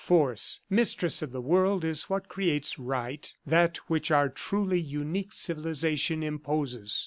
Force, mistress of the world, is what creates right, that which our truly unique civilization imposes.